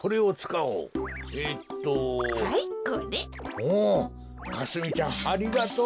おおかすみちゃんありがとう。